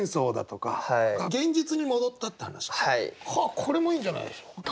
これもいいんじゃないでしょうか。